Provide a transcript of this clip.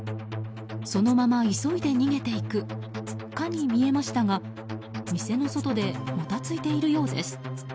そのまま急いで逃げていくかに見えましたが店の外でもたついているようです。